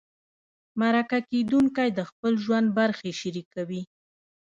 مرکه کېدونکی د خپل ژوند برخې شریکوي.